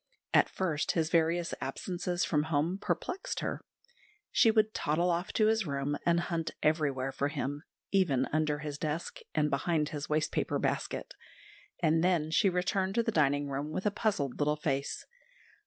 At first his various absences from home perplexed her. She would toddle off to his room and hunt everywhere for him, even under his desk and behind his waste paper basket, and then she returned to the dining room with a puzzled little face.